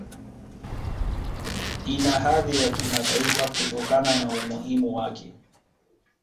Ina hadhi ya Kimataifa kutokana na umuhimu wake